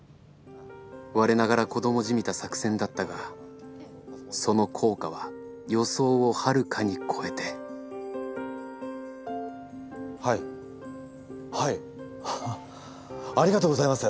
我ながら子どもじみた作戦だったがその効果は予想をはるかに超えてはいはい。ありがとうございます！